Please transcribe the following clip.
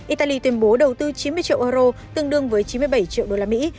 italy tuyên bố đầu tư chín mươi triệu euro tương đương với chín mươi bảy triệu đô la mỹ